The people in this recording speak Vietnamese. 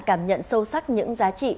cảm nhận sâu sắc những giá trị